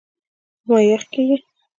زما یخ کېږي .